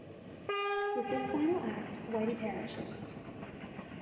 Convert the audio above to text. With this final act, Whitey perishes.